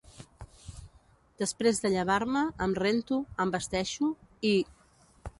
Després de llevar-me, em rento, em vesteixo i [...].